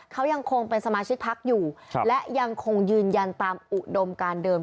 เขายังคงเป็นสมาชิกพักอยู่และยังคงยืนยันตามอุดมการเดิม